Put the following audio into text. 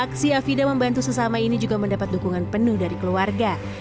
aksi afida membantu sesama ini juga mendapat dukungan penuh dari keluarga